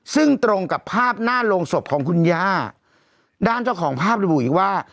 ซึ่งตรงกับภาพหน้าโรงศพของคุณย่าด้านเจ้าของภาพระบุอีกว่า